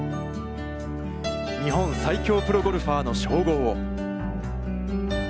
日本最強プロゴルファーの称号を。